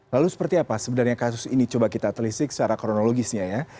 lalu seperti apa sebenarnya kasus ini coba kita telisik secara kronologisnya ya